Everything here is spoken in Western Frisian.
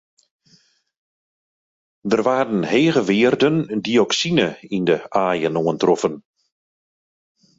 Der waarden hege wearden dioksine yn de aaien oantroffen.